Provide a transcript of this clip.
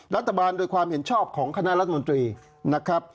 รัฐบาลโดยความเห็นชอบของคณะรัฐมนตรีนะครับ